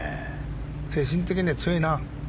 精神的には強いな。